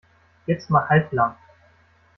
Jetzt mal halblang!